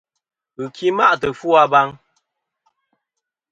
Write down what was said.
Ghɨki ma'tɨ ɨfwo a baŋ.